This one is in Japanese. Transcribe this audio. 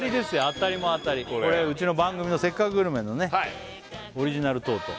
当たりも当たりこれうちの番組の「せっかくグルメ！！」のオリジナルトート